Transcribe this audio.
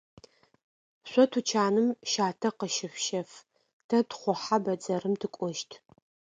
Шъо тучаным щатэ къыщышъущэф, тэ тхъухьэ бэдзэрым тыкӏощт.